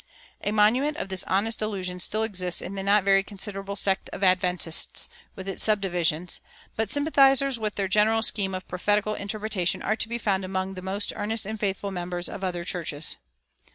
A monument of this honest delusion still exists in the not very considerable sect of Adventists, with its subdivisions; but sympathizers with their general scheme of prophetical interpretation are to be found among the most earnest and faithful members of other churches.